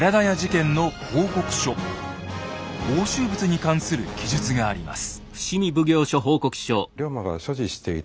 押収物に関する記述があります。